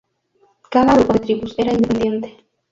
Cada grupo de tribus era independiente.